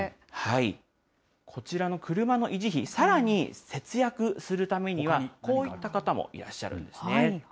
こちらの車の維持費、さらに節約するためには、こういった方もいらっしゃるんですね。